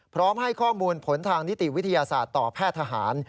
พร้อมให้ข้อมูลผลทางนิติวิทยาศาสตร์ต่อแพทย์ทหาร